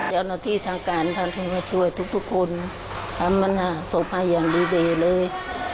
เจ้าหน้าที่ทางการทางช่วยทุกคนทำสมภัยอย่างดีเลย